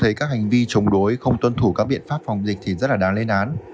thấy các hành vi chống đối không tuân thủ các biện pháp phòng dịch thì rất là đáng lên án